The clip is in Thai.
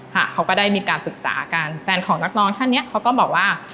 ค่ะเขาก็ได้มีการปรึกษากันแฟนของนักร้องท่านนี้เขาก็บอกว่า